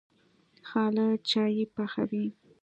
خالد چايي پخوي.